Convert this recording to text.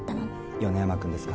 米山君ですか？